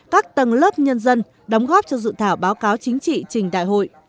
các tầng lớp nhân dân đóng góp cho dự thảo báo cáo chính trị trình đại hội